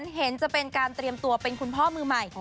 เห็นจะเป็นการเตรียมตัวเป็นคุณพ่อมือใหม่